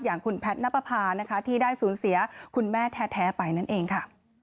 อย่างคุณแพทย์นับประพานะคะที่ได้สูญเสียคุณแม่แท้ไปนั่นเองค่ะ